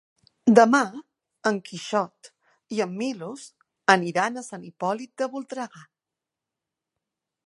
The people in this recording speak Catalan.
Demà en Quixot i en Milos aniran a Sant Hipòlit de Voltregà.